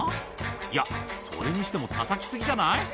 いや、それにしてもたたき過ぎじゃない？